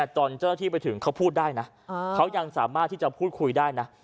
จนเจ้าหน้าที่ไปถึงเขาพูดได้นะเขายังสามารถที่จะพูดคุยได้นะ